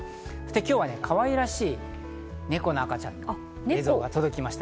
今日は可愛らしい猫の赤ちゃんの映像が届きました。